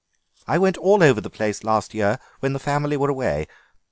I went all over the place last year when the family were away.